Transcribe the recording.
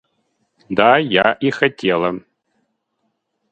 Да я и хотела.